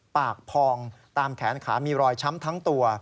ปากพองตามแขนขามีรอยช้ำทั้งตัว